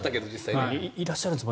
いらっしゃるんです。